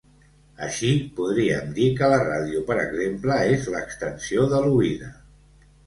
Així podríem dir que la ràdio, per exemple, és l'extensió de l'oïda.